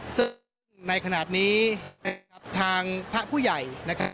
ซึ่งในขณะนี้ทางพระผู้ใหญ่